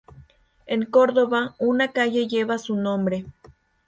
En Córdoba, una calle lleva su nombre.